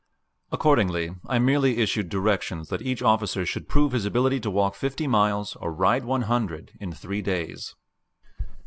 Accordingly, I merely issued directions that each officer should prove his ability to walk fifty miles, or ride one hundred, in three days.